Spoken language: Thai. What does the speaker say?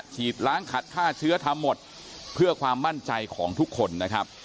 ฉีดล้างขัดฆ่าเชื้อทำหมดเพื่อความมั่นใจของทุกคนนะครับ